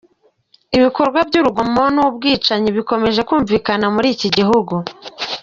Ibikorwa by’urugomo n’ubwicanyi bikomeje kumvikana muri iki gihugu.